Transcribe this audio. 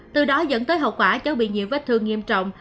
từ đó dẫn tới hậu quả cháu bị nhiều vết thương nghiêm trọng